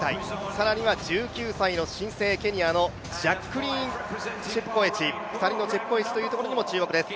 更には１９歳の新星、ケニアのジャックリーン・チェプコエチ、２人のチェプコエチというところにも注目です。